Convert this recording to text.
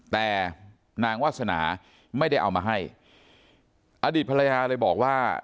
แต่นางวาสนาไม่ได้เอามาให้อดีตภรรยาเลยบอกว่า